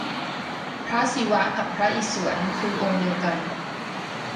พระศิวะกับพระอิศวรคือองค์เดียวกัน